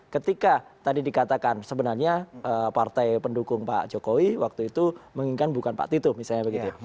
ketika tadi dikatakan sebenarnya partai pendukung pak jokowi waktu itu menginginkan bukan pak tito misalnya begitu ya